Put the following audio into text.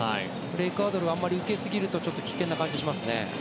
エクアドルはあんまり受けすぎると危険な感じがしますね。